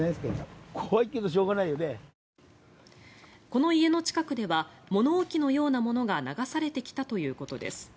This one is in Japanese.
この家の近くでは物置のようなものが流されてきたということです。